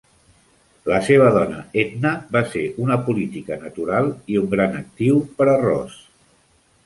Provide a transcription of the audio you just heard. La se va dona, Edna, va ser una política natural i un gran actiu per a Ross.